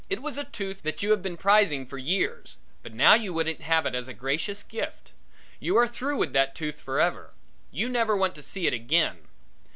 It was a tooth that you had been prizing for years, but now you wouldn't have it as a gracious gift. You are through with that tooth forever. You never want to see it again.